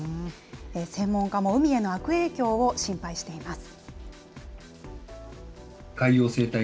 専門家も海への悪影響を心配しています。